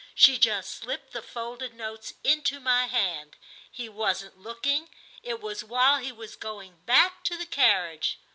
She just slipped the folded notes into my hand. He wasn't looking; it was while he was going back to the carriage."